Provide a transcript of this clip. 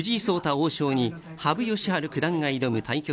王将に羽生善治九段が挑む対局